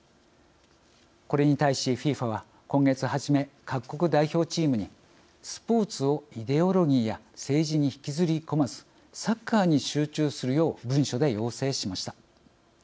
これに対しＦＩＦＡは今月初め、各国代表チームにスポーツをイデオロギーや政治に引きずり込まずサッカーに集中するよう文書で要請しました。